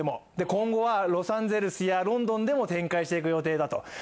今後は、ロサンゼルスやロンドンでも展開していく予定だと。